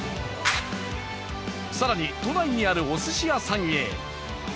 更に、都内にあるおすし屋さんへ。